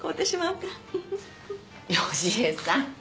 良恵さん。